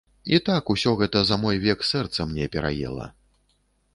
І так усё гэта за мой век сэрца мне пераела.